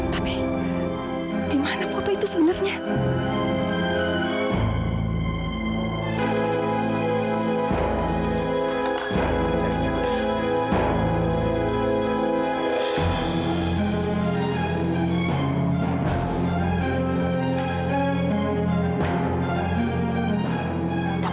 tapi di mana foto itu sebenarnya